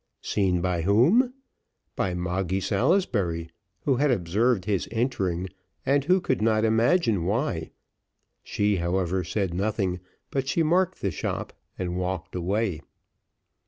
Seen by whom? By Moggy Salisbury, who had observed his entering, and who could not imagine why; she, however, said nothing, but she marked the shop, and walked away.